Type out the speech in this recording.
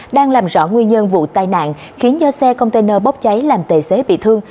đang làm rõ nguyên nhân vụ tai nạn khiến do xe container bóp cháy làm tệ xế bị thương